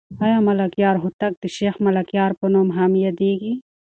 آیا ملکیار هوتک د شیخ ملکیار په نوم هم یادېږي؟